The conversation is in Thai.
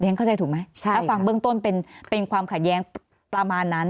ฉันเข้าใจถูกไหมถ้าฟังเบื้องต้นเป็นความขัดแย้งประมาณนั้น